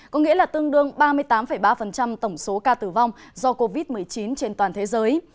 có nghĩa là tương đương ba mươi tám ba tổng số ca tử vong do covid một mươi chín trên toàn thế giới